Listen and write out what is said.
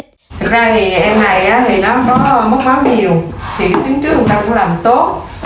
thực ra thì em này thì nó có mất máu nhiều thì tiến trước trong đó cũng làm tốt